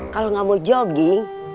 kalau gak mau jogging